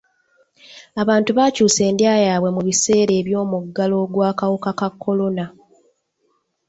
Abantu baakyusa endya yaabwe mu biseera by'omuggalo gw'akawuka ka kolona.